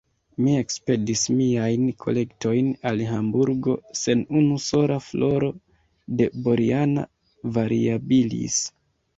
Mi ekspedis miajn kolektojn al Hamburgo, sen unu sola floro de Boriana variabilis.